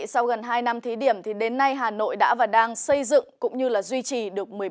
sau gần hai năm thí điểm đến nay hà nội đã và đang xây dựng cũng như duy trì được